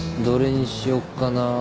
どれにしよっかな。